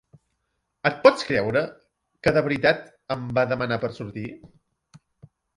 Et pots creure que de veritat em va demanar per sortir?